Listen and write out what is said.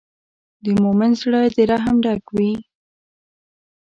د مؤمن زړۀ د رحم ډک وي.